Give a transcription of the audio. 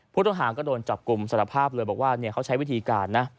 ผู้ต้องหาก็โดนจับกลุ่มสารภาพเลยบอกว่าเขาใช้วิธีการนะ